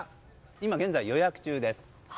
今現在は予約中です。